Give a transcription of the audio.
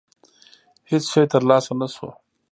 هېڅ شی ترلاسه نه شو.